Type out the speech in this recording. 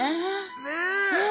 ねえ。